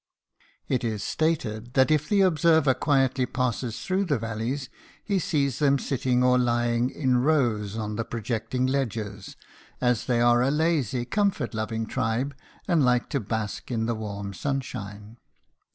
It is stated that if the observer quietly passes through the valleys he sees them sitting or lying in rows on the projecting ledges, as they are a lazy, comfort loving tribe and like to bask in the warm sunshine.